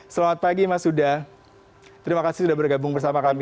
selamat pagi mas huda terima kasih sudah bergabung bersama kami